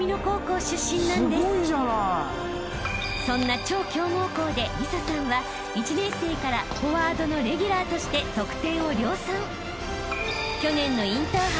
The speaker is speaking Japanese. ［そんな超強豪校で里紗さんは１年生からフォワードのレギュラーとして得点を量産］